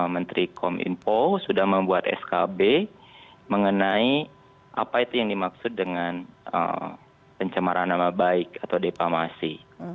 menteri kom info sudah membuat skb mengenai apa itu yang dimaksud dengan pencemaran nama baik atau depamasi